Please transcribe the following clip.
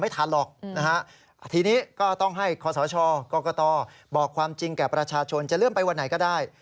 ทีนี้ก็ต้องให้คอสชกรกตบอกความจริงแก่ประชาชนจะเริ่มไปวันไหนก็ได้